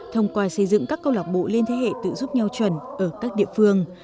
thông qua xây dựng các câu lạc bộ liên thế hệ tự giúp nhau chuẩn ở các địa phương